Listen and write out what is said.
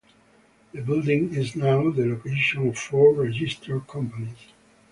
The building is now the location of four registered companies.